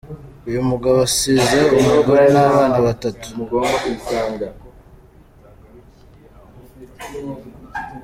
Uyu mugabo asize umugore n’abana batatu.